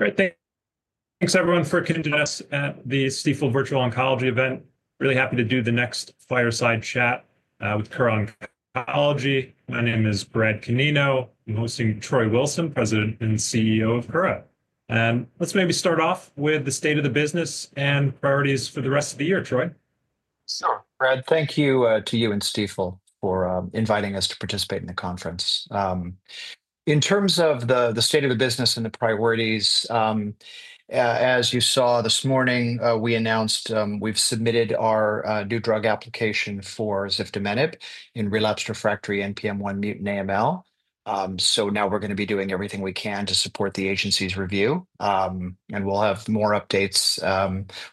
Great. Thanks, everyone, for attending us at the Stifel Virtual Oncology Event. Really happy to do the next fireside chat with Kura Oncology. My name is Brad Canino, hosting Troy Wilson, President and CEO of Kura. Let's maybe start off with the state of the business and priorities for the rest of the year, Troy. Sure, Brad. Thank you to you and Stifel for inviting us to participate in the conference. In terms of the state of the business and the priorities, as you saw this morning, we announced we've submitted our new drug application for ziftomenib in relapsed refractory NPM1 mutant AML. We are going to be doing everything we can to support the agency's review. We will have more updates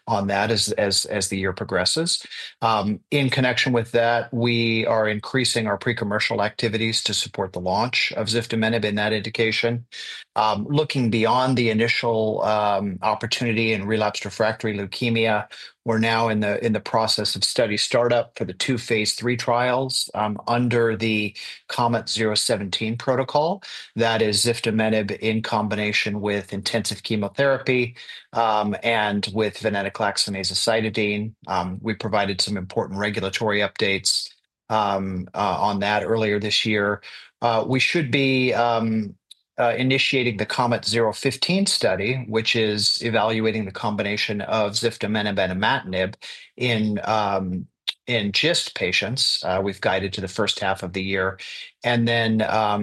on that as the year progresses. In connection with that, we are increasing our pre-commercial activities to support the launch of ziftomenib in that indication. Looking beyond the initial opportunity in relapsed refractory leukemia, we are now in the process of study startup for the two phase III trials under the KOMET-017 protocol. That is ziftomenib in combination with intensive chemotherapy and with venetoclax and azacitidine. We provided some important regulatory updates on that earlier this year. We should be initiating the KOMET-015 study, which is evaluating the combination of ziftomenib and imatinib in GIST patients. We've guided to the first half of the year. We are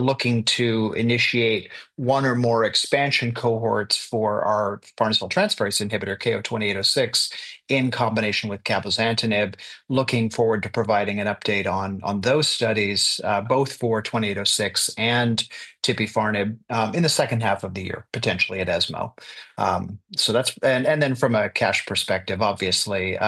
looking to initiate one or more expansion cohorts for our farnesyltransferase inhibitor, KO-2806, in combination with cabozantinib, looking forward to providing an update on those studies, both for KO-2806 and tipifarnib in the second half of the year, potentially at ESMO. From a cash perspective, obviously,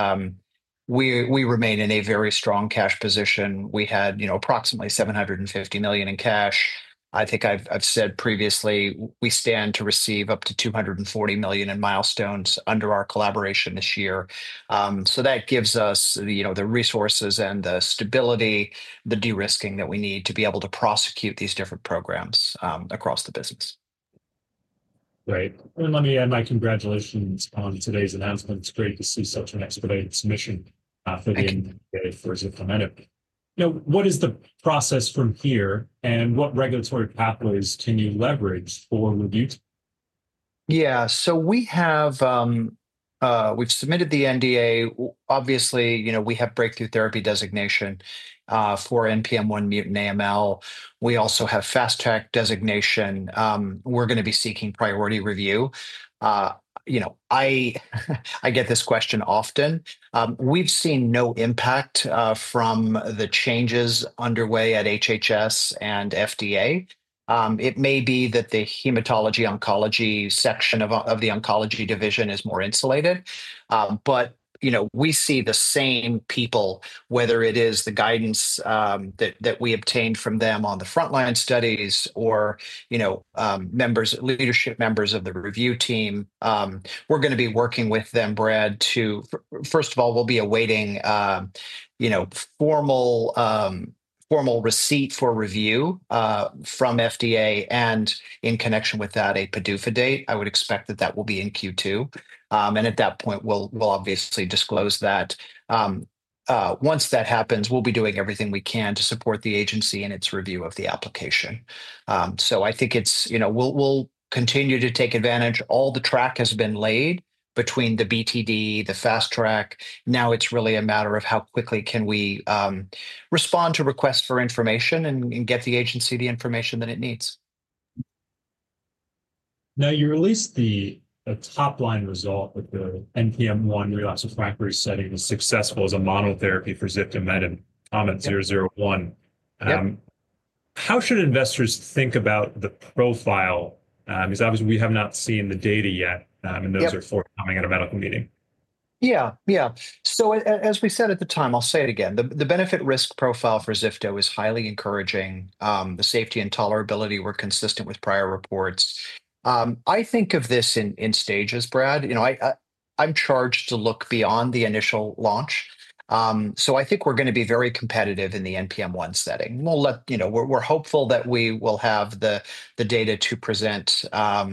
we remain in a very strong cash position. We had approximately $750 million in cash. I think I've said previously, we stand to receive up to $240 million in milestones under our collaboration this year. That gives us the resources and the stability, the de-risking that we need to be able to prosecute these different programs across the business. Great. Let me add my congratulations on today's announcement. It's great to see such an expedited submission for the NDA for ziftomenib. Now, what is the process from here and what regulatory pathways can you leverage for? [inaudible] Yeah. So we've submitted the NDA. Obviously, we have breakthrough therapy designation for NPM1 mutant AML. We also have fast-track designation. We're going to be seeking priority review. I get this question often. We've seen no impact from the changes underway at HHS and FDA. It may be that the hematology oncology section of the oncology division is more insulated. We see the same people, whether it is the guidance that we obtained from them on the frontline studies or leadership members of the review team. We're going to be working with them, Brad. First of all, we'll be awaiting formal receipt for review from FDA and, in connection with that, a PDUFA date. I would expect that that will be in Q2. At that point, we'll obviously disclose that. Once that happens, we'll be doing everything we can to support the agency in its review of the application. I think we'll continue to take advantage. All the track has been laid between the BTD, the fast track. Now it's really a matter of how quickly can we respond to requests for information and get the agency the information that it needs. Now, you released the top-line result with the NPM1 relapsed refractory setting as successful as a monotherapy for ziftomenib, KOMET-001. How should investors think about the profile? Because obviously, we have not seen the data yet, and those are forthcoming at a medical meeting. Yeah, yeah. As we said at the time, I'll say it again. The benefit-risk profile for ziftomenib is highly encouraging. The safety and tolerability were consistent with prior reports. I think of this in stages, Brad. I'm charged to look beyond the initial launch. I think we're going to be very competitive in the NPM1 setting. We're hopeful that we will have the data to present at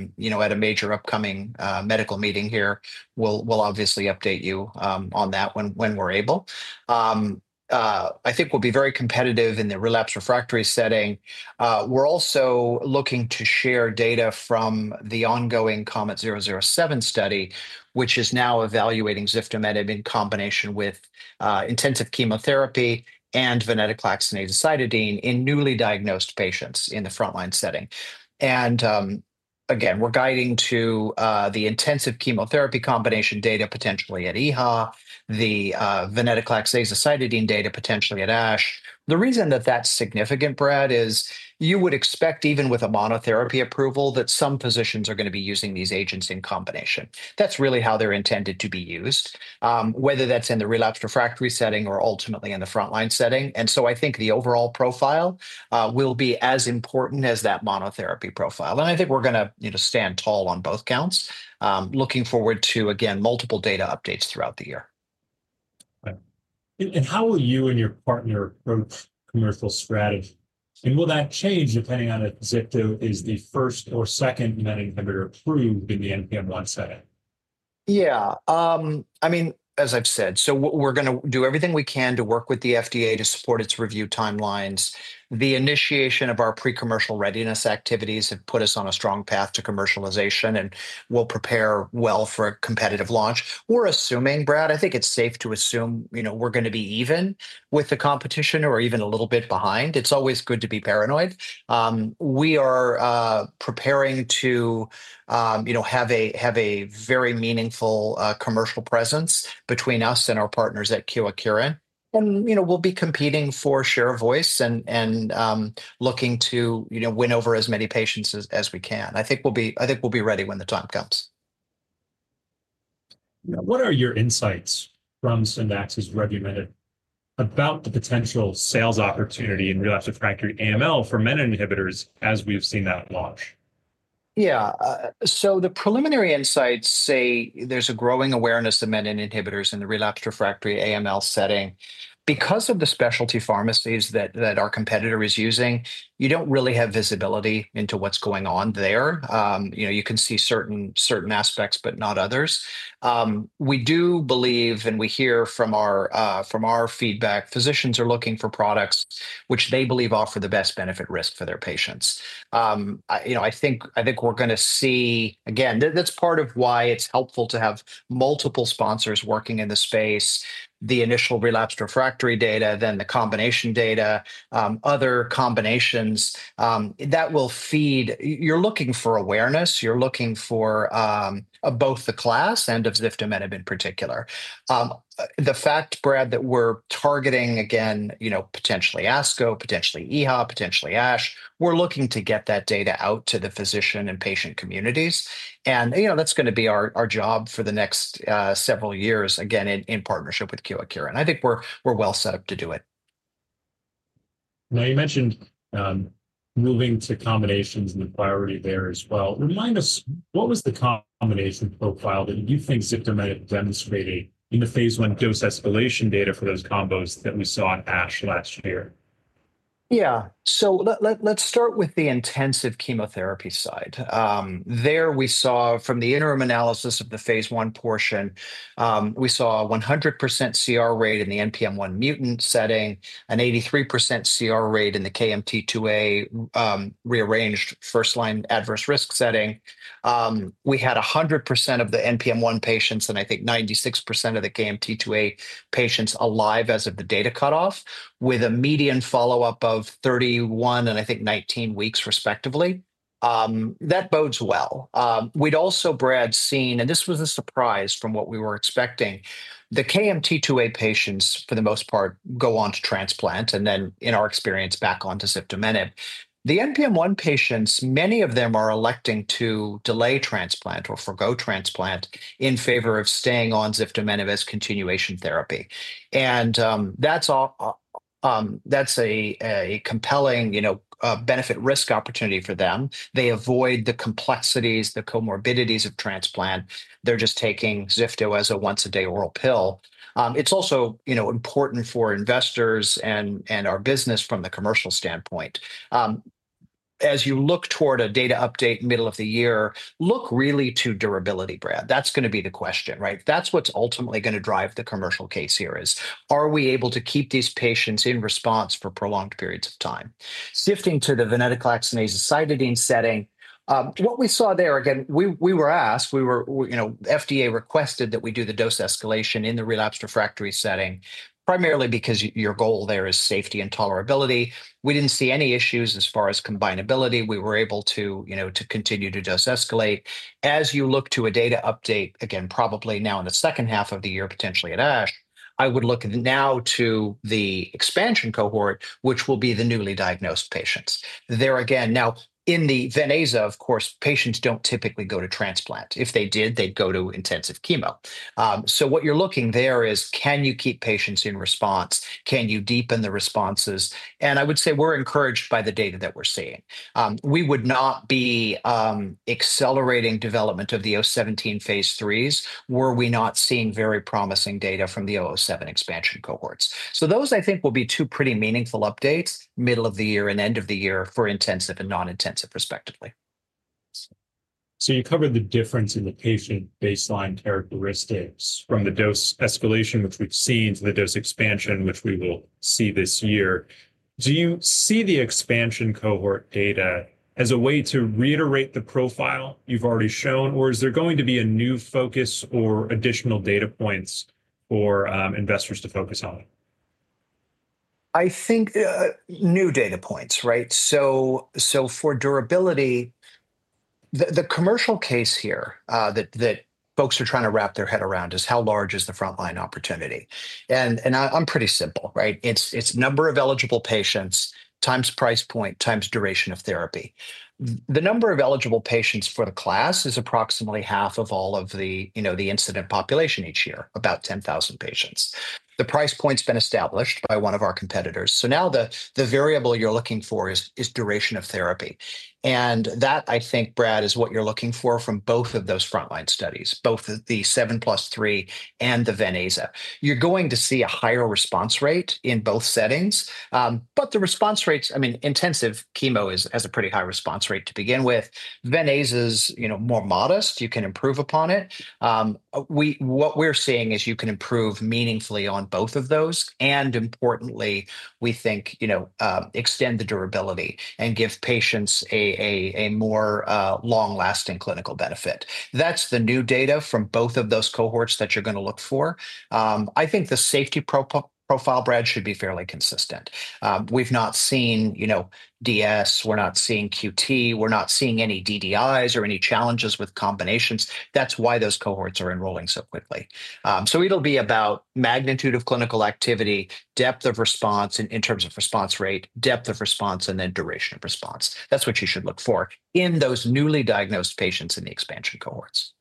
a major upcoming medical meeting here. We'll obviously update you on that when we're able. I think we'll be very competitive in the relapsed refractory setting. We're also looking to share data from the ongoing KOMET-007 study, which is now evaluating ziftomenib in combination with intensive chemotherapy and venetoclax-azacitidine in newly diagnosed patients in the frontline setting. Again, we're guiding to the intensive chemotherapy combination data potentially at EHA, the venetoclax-azacitidine data potentially at ASH. The reason that that's significant, Brad, is you would expect, even with a monotherapy approval, that some physicians are going to be using these agents in combination. That's really how they're intended to be used, whether that's in the relapsed refractory setting or ultimately in the frontline setting. I think the overall profile will be as important as that monotherapy profile. I think we're going to stand tall on both counts, looking forward to, again, multiple data updates throughout the year. How will you and your partner approach commercial strategy? Will that change depending on if ziftomenib is the first or second menin inhibitor approved in the NPM1 setting? Yeah. I mean, as I've said, we are going to do everything we can to work with the FDA to support its review timelines. The initiation of our pre-commercial readiness activities have put us on a strong path to commercialization, and we'll prepare well for a competitive launch. We're assuming, Brad, I think it's safe to assume we're going to be even with the competition or even a little bit behind. It's always good to be paranoid. We are preparing to have a very meaningful commercial presence between us and our partners at Kyowa Kirin. And we'll be competing for share of voice and looking to win over as many patients as we can. I think we'll be ready when the time comes. Now, what are your insights from Syndax's revumenib about the potential sales opportunity in relapsed refractory AML for menin inhibitors as we've seen that launch? Yeah. The preliminary insights say there's a growing awareness of menin inhibitors in the relapsed/refractory AML setting. Because of the specialty pharmacies that our competitor is using, you don't really have visibility into what's going on there. You can see certain aspects, but not others. We do believe, and we hear from our feedback, physicians are looking for products which they believe offer the best benefit-risk for their patients. I think we're going to see, again, that's part of why it's helpful to have multiple sponsors working in the space, the initial relapsed/refractory data, then the combination data, other combinations that will feed. You're looking for awareness. You're looking for both the class and of ziftomenib in particular. The fact, Brad, that we're targeting, again, potentially ASCO, potentially EHA, potentially ASH, we're looking to get that data out to the physician and patient communities. That is going to be our job for the next several years, again, in partnership with Kyowa Kirin. I think we're well set up to do it. Now, you mentioned moving to combinations and the priority there as well. Remind us, what was the combination profile that you think ziftomenib demonstrated in the phase I dose escalation data for those combos that we saw at ASH last year? Yeah. Let's start with the intensive chemotherapy side. There, we saw, from the interim analysis of the phase I portion, we saw a 100% CR rate in the NPM1 mutant setting, an 83% CR rate in the KMT2A rearranged first-line adverse risk setting. We had 100% of the NPM1 patients and, I think, 96% of the KMT2A patients alive as of the data cutoff, with a median follow-up of 31 and, I think, 19 weeks, respectively. That bodes well. We'd also, Brad, seen, and this was a surprise from what we were expecting. The KMT2A patients, for the most part, go on to transplant and then, in our experience, back on to ziftomenib. The NPM1 patients, many of them are electing to delay transplant or forgo transplant in favor of staying on ziftomenib as continuation therapy. That's a compelling benefit-risk opportunity for them. They avoid the complexities, the comorbidities of transplant. They're just taking ziftomenib as a once-a-day oral pill. It's also important for investors and our business from the commercial standpoint. As you look toward a data update middle of the year, look really to durability, Brad. That's going to be the question, right? That's what's ultimately going to drive the commercial case here, is are we able to keep these patients in response for prolonged periods of time? Shifting to the venetoclax-azacitidine setting, what we saw there, again, we were asked, FDA requested that we do the dose escalation in the relapsed/refractory setting, primarily because your goal there is safety and tolerability. We didn't see any issues as far as combinability. We were able to continue to dose escalate. As you look to a data update, again, probably now in the second half of the year, potentially at ASH, I would look now to the expansion cohort, which will be the newly diagnosed patients. There, again, now in the VEN+AZA, of course, patients do not typically go to transplant. If they did, they would go to intensive chemo. What you are looking there is, can you keep patients in response? Can you deepen the responses? I would say we are encouraged by the data that we are seeing. We would not be accelerating development of the KOMET-017 phase IIIs were we not seeing very promising data from the KOMET-007 expansion cohorts. Those, I think, will be two pretty meaningful updates, middle of the year and end of the year for intensive and non-intensive, respectively. You covered the difference in the patient baseline characteristics from the dose escalation, which we've seen, to the dose expansion, which we will see this year. Do you see the expansion cohort data as a way to reiterate the profile you've already shown, or is there going to be a new focus or additional data points for investors to focus on? I think new data points, right? For durability, the commercial case here that folks are trying to wrap their head around is how large is the frontline opportunity. I'm pretty simple, right? It's number of eligible patients x price point x duration of therapy. The number of eligible patients for the class is approximately half of all of the incident population each year, about 10,000 patients. The price point's been established by one of our competitors. Now the variable you're looking for is duration of therapy. That, I think, Brad, is what you're looking for from both of those frontline studies, both the 7+3 and the VEN+AZA. You're going to see a higher response rate in both settings. The response rates, I mean, intensive chemo has a pretty high response rate to begin with. VEN+AZA's more modest. You can improve upon it. What we're seeing is you can improve meaningfully on both of those. Importantly, we think extend the durability and give patients a more long-lasting clinical benefit. That's the new data from both of those cohorts that you're going to look for. I think the safety profile, Brad, should be fairly consistent. We've not seen DS. We're not seeing QT. We're not seeing any DDIs or any challenges with combinations. That's why those cohorts are enrolling so quickly. It will be about magnitude of clinical activity, depth of response in terms of response rate, depth of response, and then duration of response. That's what you should look for in those newly diagnosed patients in the expansion cohorts.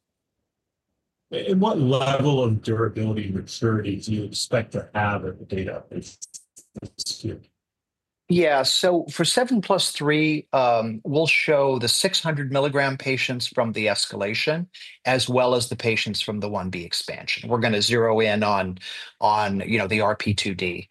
What level of durability and maturity do you expect to have if the data is good? Yeah. For 7+3, we'll show the 600 mg patients from the escalation as well as the patients from the phase I-B expansion. We're going to zero in on the RP2D.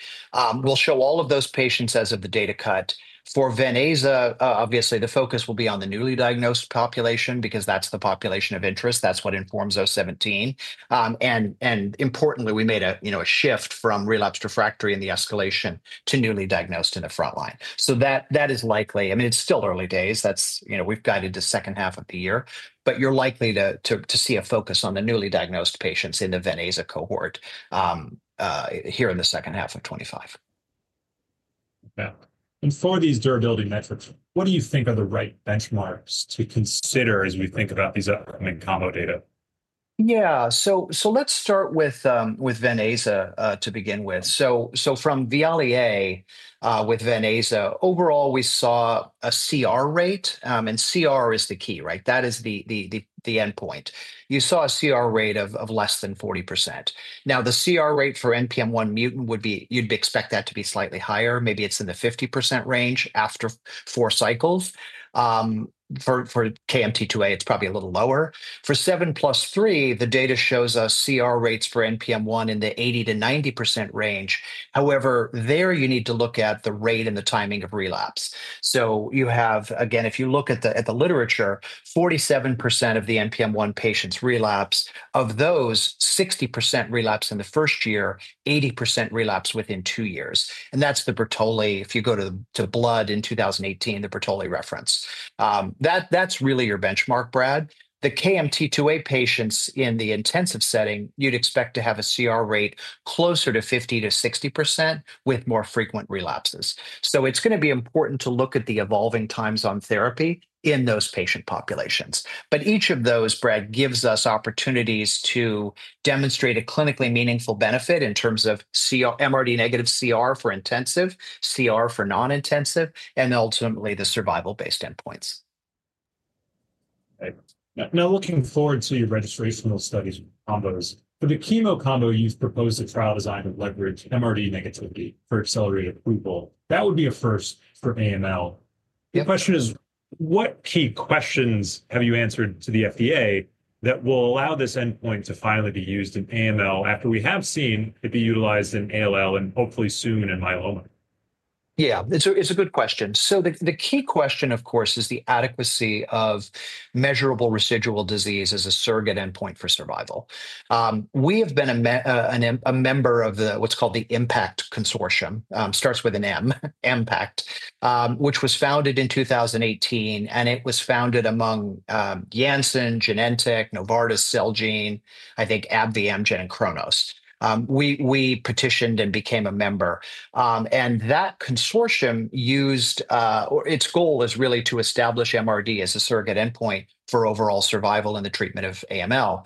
We'll show all of those patients as of the data cut. For VEN+AZA, obviously, the focus will be on the newly diagnosed population because that's the population of interest. That's what informs KOMET-017. Importantly, we made a shift from relapsed refractory in the escalation to newly diagnosed in the frontline. That is likely. I mean, it's still early days. We've got into the second half of the year. You're likely to see a focus on the newly diagnosed patients in the VEN+AZA cohort here in the second half of 2025. Yeah. For these durability metrics, what do you think are the right benchmarks to consider as we think about these upcoming combo data? Yeah. Let's start with VEN+AZA to begin with. From VIALE-A with VEN+AZA overall, we saw a CR rate. CR is the key, right? That is the endpoint. You saw a CR rate of less than 40%. Now, the CR rate for NPM1 mutant would be you'd expect that to be slightly higher. Maybe it's in the 50% range after four cycles. For KMT2A, it's probably a little lower. For 7+3, the data shows us CR rates for NPM1 in the 80%-90% range. However, there, you need to look at the rate and the timing of relapse. You have, again, if you look at the literature, 47% of the NPM1 patients relapse. Of those, 60% relapsed in the first year, 80% relapsed within two years. That's the Bertoli. If you go to Blood in 2018, the Bertoli reference. That's really your benchmark, Brad. The KMT2A patients in the intensive setting, you'd expect to have a CR rate closer to 50%-60% with more frequent relapses. It's going to be important to look at the evolving times on therapy in those patient populations. Each of those, Brad, gives us opportunities to demonstrate a clinically meaningful benefit in terms of MRD negative CR for intensive, CR for non-intensive, and ultimately the survival-based endpoints. Now, looking forward to your registrational studies with combos. For the chemo combo, you've proposed a trial design to leverage MRD negativity for accelerated approval. That would be a first for AML. The question is, what key questions have you answered to the FDA that will allow this endpoint to finally be used in AML after we have seen it be utilized in ALL and hopefully soon in myeloma? Yeah. It's a good question. The key question, of course, is the adequacy of measurable residual disease as a surrogate endpoint for survival. We have been a member of what's called the MPAACT Consortium. Starts with an M, MPAACT, which was founded in 2018. It was founded among Janssen, Genentech, Novartis, Celgene, I think AbbVie, Amgen, and Kronos. We petitioned and became a member. That consortium, its goal is really to establish MRD as a surrogate endpoint for overall survival in the treatment of AML.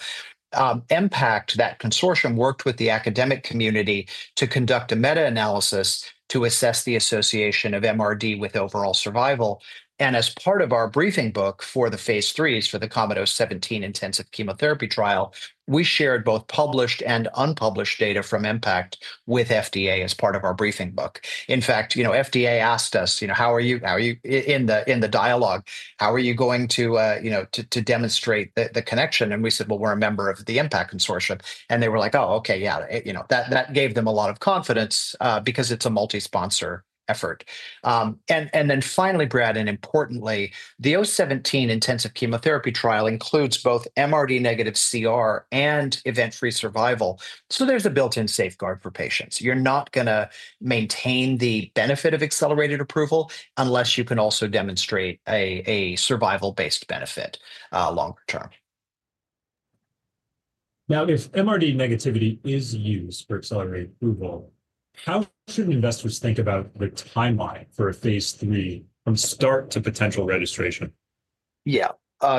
MPAACT, that consortium, worked with the academic community to conduct a meta-analysis to assess the association of MRD with overall survival. As part of our briefing book for the phase IIIs for the KOMET-017 intensive chemotherapy trial, we shared both published and unpublished data from MPAACT with FDA as part of our briefing book. In fact, FDA asked us, "How are you in the dialogue? How are you going to demonstrate the connection?" We said, "Well, we're a member of the MPAACT Consortium." They were like, "Oh, okay. Yeah." That gave them a lot of confidence because it's a multi-sponsor effort. Finally, Brad, and importantly, the KOMET-017 intensive chemotherapy trial includes both MRD negative CR and event-free survival. There is a built-in safeguard for patients. You're not going to maintain the benefit of accelerated approval unless you can also demonstrate a survival-based benefit longer term. Now, if MRD negativity is used for accelerated approval, how should investors think about the timeline for a phase III from start to potential registration? Yeah.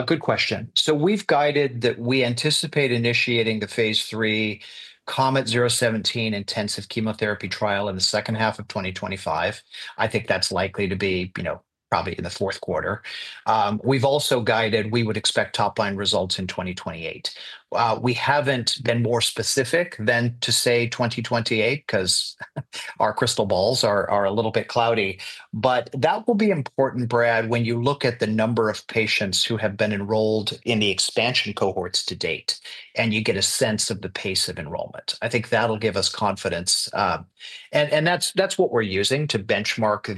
Good question. We have guided that we anticipate initiating the phase III KOMET-017 intensive chemotherapy trial in the second half of 2025. I think that's likely to be probably in the fourth quarter. We have also guided we would expect top-line results in 2028. We have not been more specific than to say 2028 because our crystal balls are a little bit cloudy. That will be important, Brad, when you look at the number of patients who have been enrolled in the expansion cohorts to date, and you get a sense of the pace of enrollment. I think that will give us confidence. That is what we are using to benchmark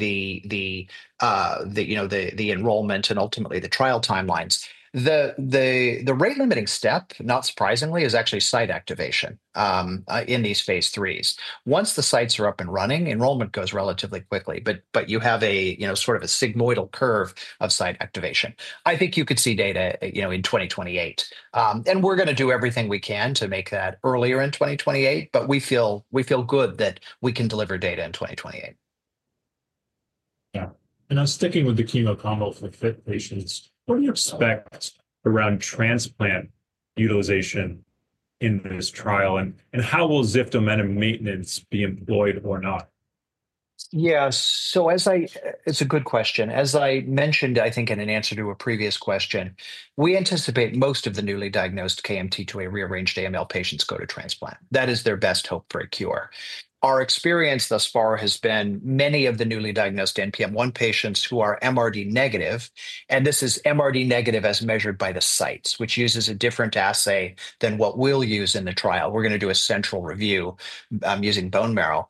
the enrollment and ultimately the trial timelines. The rate-limiting step, not surprisingly, is actually site activation in these phase III. Once the sites are up and running, enrollment goes relatively quickly. You have sort of a sigmoidal curve of site activation. I think you could see data in 2028. We are going to do everything we can to make that earlier in 2028. We feel good that we can deliver data in 2028. Yeah. Now sticking with the chemo combo for fit patients, what do you expect around transplant utilization in this trial? How will ziftomenib maintenance be employed or not? Yeah. It's a good question. As I mentioned, I think, in an answer to a previous question, we anticipate most of the newly diagnosed KMT2A-rearranged AML patients go to transplant. That is their best hope for a cure. Our experience thus far has been many of the newly diagnosed NPM1 patients who are MRD negative. This is MRD negative as measured by the sites, which uses a different assay than what we'll use in the trial. We're going to do a central review using bone marrow.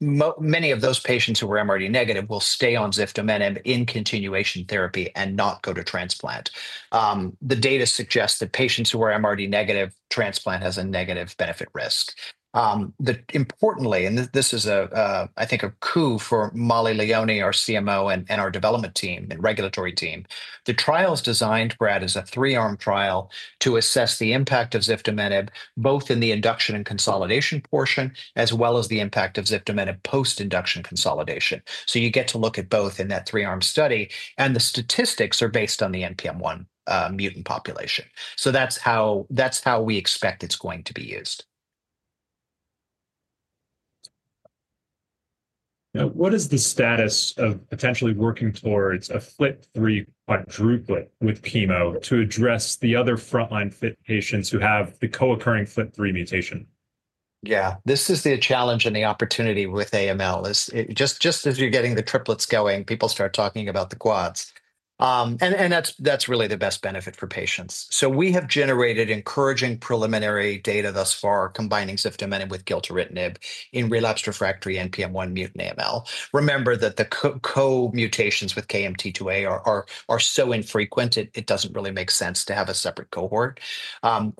Many of those patients who were MRD negative will stay on ziftomenib in continuation therapy and not go to transplant. The data suggests that patients who are MRD negative, transplant has a negative benefit risk. Importantly, and this is, I think, a coup for Mollie Leoni, our CMO, and our development team and regulatory team. The trial's designed, Brad, as a three-arm trial to assess the impact of ziftomenib both in the induction and consolidation portion as well as the impact of ziftomenib post-induction consolidation. You get to look at both in that three-arm study. The statistics are based on the NPM1 mutant population. That's how we expect it's going to be used. Now, what is the status of potentially working towards a FLT3 quadruplet with chemo to address the other frontline fit patients who have the co-occurring FLT3 mutation? Yeah. This is the challenge and the opportunity with AML. Just as you're getting the triplets going, people start talking about the quads. That is really the best benefit for patients. We have generated encouraging preliminary data thus far combining ziftomenib with gilteritinib in relapsed refractory NPM1 mutant AML. Remember that the co-mutations with KMT2A are so infrequent, it does not really make sense to have a separate cohort.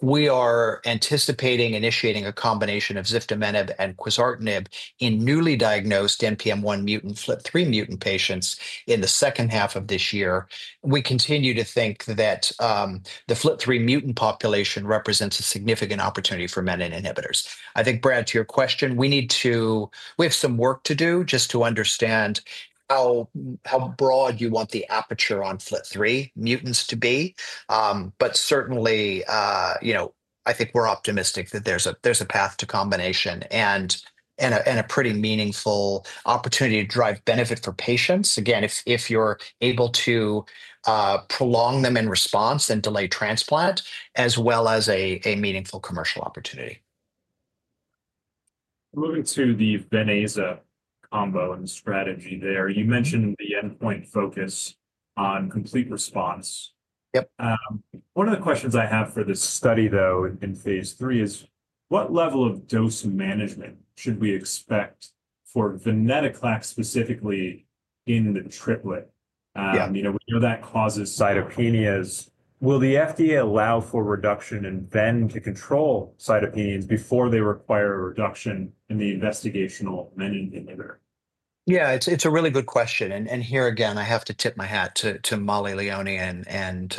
We are anticipating initiating a combination of ziftomenib and quizartinib in newly diagnosed NPM1 mutant FLT3 mutant patients in the second half of this year. We continue to think that the FLT3 mutant population represents a significant opportunity for menin inhibitors. I think, Brad, to your question, we have some work to do just to understand how broad you want the aperture on FLT3 mutants to be. Certainly, I think we're optimistic that there's a path to combination and a pretty meaningful opportunity to drive benefit for patients, again, if you're able to prolong them in response and delay transplant, as well as a meaningful commercial opportunity. Moving to the VEN+AZA combo and strategy there, you mentioned the endpoint focus on complete response. Yep. One of the questions I have for this study, though, in phase III is, what level of dose management should we expect for venetoclax specifically in the triplet? We know that causes cytopenias. Will the FDA allow for reduction and then to control cytopenias before they require a reduction in the investigational menin inhibitor? Yeah. It's a really good question. Here, again, I have to tip my hat to Mollie Leoni and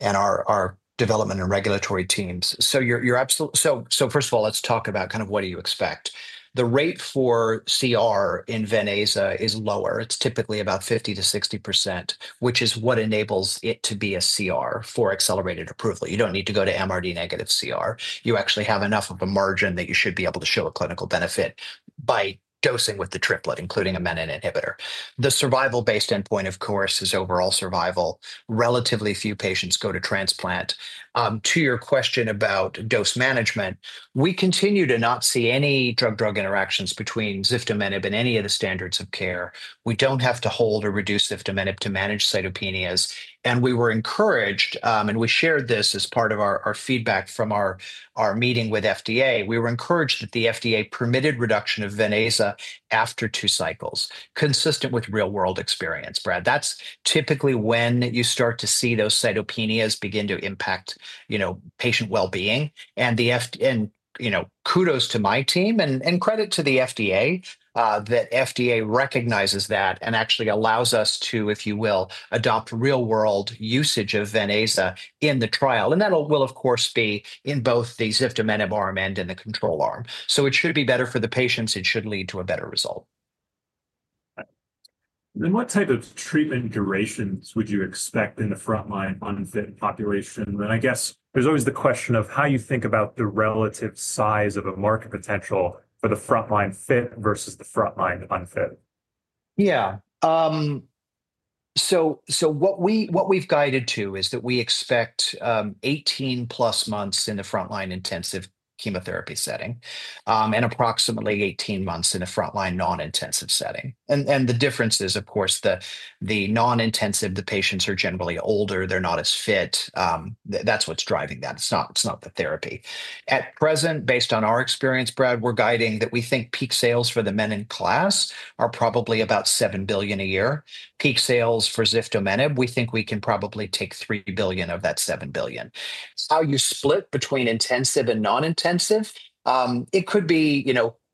our development and regulatory teams. First of all, let's talk about kind of what do you expect. The rate for CR in VEN+AZA is lower. It's typically about 50%-60%, which is what enables it to be a CR for accelerated approval. You don't need to go to MRD-negative CR. You actually have enough of a margin that you should be able to show a clinical benefit by dosing with the triplet, including a menin inhibitor. The survival-based endpoint, of course, is overall survival. Relatively few patients go to transplant. To your question about dose management, we continue to not see any drug-drug interactions between ziftomenib and any of the standards of care. We don't have to hold or reduce ziftomenib to manage cytopenias. We were encouraged, and we shared this as part of our feedback from our meeting with FDA, we were encouraged that the FDA permitted reduction of VEN+AZA after two cycles, consistent with real-world experience, Brad. That's typically when you start to see those cytopenias begin to impact patient well-being. Kudos to my team and credit to the FDA that FDA recognizes that and actually allows us to, if you will, adopt real-world usage of VEN+AZA in the trial. That will, of course, be in both the ziftomenib arm and in the control arm. It should be better for the patients. It should lead to a better result. What type of treatment durations would you expect in the frontline unfit population? I guess there's always the question of how you think about the relative size of a market potential for the frontline fit versus the frontline unfit. Yeah. What we've guided to is that we expect 18+ months in the frontline intensive chemotherapy setting and approximately 18 months in a frontline non-intensive setting. The difference is, of course, the non-intensive, the patients are generally older. They're not as fit. That's what's driving that. It's not the therapy. At present, based on our experience, Brad, we're guiding that we think peak sales for the menin class are probably about $7 billion a year. Peak sales for ziftomenib, we think we can probably take $3 billion of that $7 billion. How you split between intensive and non-intensive, it could be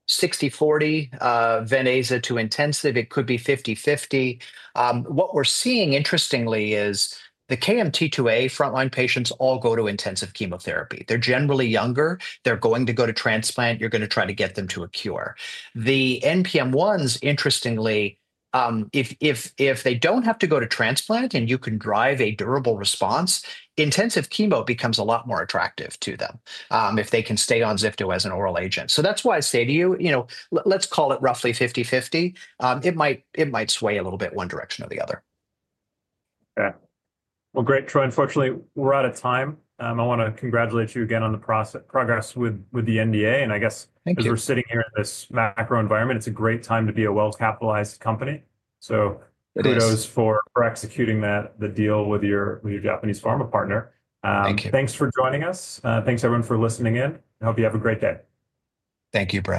60/40 VEN+AZA to intensive. It could be 50/50. What we're seeing, interestingly, is the KMT2A frontline patients all go to intensive chemotherapy. They're generally younger. They're going to go to transplant. You're going to try to get them to a cure. The NPM1s, interestingly, if they do not have to go to transplant and you can drive a durable response, intensive chemo becomes a lot more attractive to them if they can stay on Zifto as an oral agent. That is why I say to you, let's call it roughly 50/50. It might sway a little bit one direction or the other. Okay. Great. Troy, unfortunately, we're out of time. I want to congratulate you again on the progress with the NDA. I guess as we're sitting here in this macro environment, it's a great time to be a well-capitalized company. Kudos for executing the deal with your Japanese pharma partner. Thank you. Thanks for joining us. Thanks, everyone, for listening in. I hope you have a great day. Thank you, Brad.